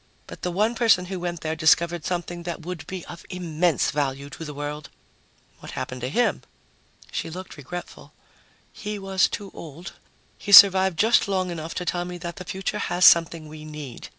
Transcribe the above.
But the one person who went there discovered something that would be of immense value to the world." "What happened to him?" She looked regretful. "He was too old. He survived just long enough to tell me that the future has something we need.